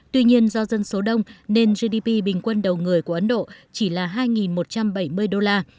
tuy nhiên do dân số đông nên gdp bình quân đầu người của ấn độ chỉ là hai một trăm bảy mươi đô la